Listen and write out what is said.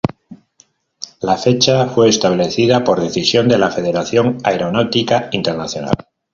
La fecha fue establecida por decisión de la Federación Aeronáutica Internacional.